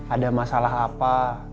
ada masalah apa